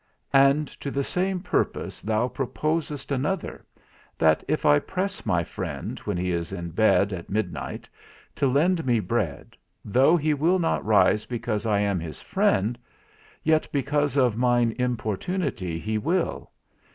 And to the same purpose thou proposest another, that if I press my friend, when he is in bed at midnight, to lend me bread, though he will not rise because I am his friend, yet because of mine importunity he will.